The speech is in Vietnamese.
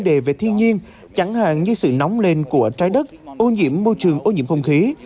đề về thiên nhiên chẳng hạn như sự nóng lên của trái đất ô nhiễm môi trường ô nhiễm không khí